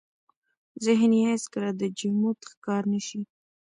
ذهن يې هېڅ کله د جمود ښکار نه شي.